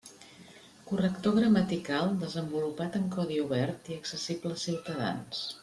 Corrector gramatical desenvolupat en codi obert i accessible als ciutadans.